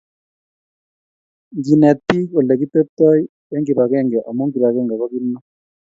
Nginet bik Ole kiteptoi eng kibagenge amu kibagenge ko kimnon